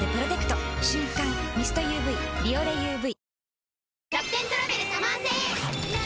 瞬感ミストＵＶ「ビオレＵＶ」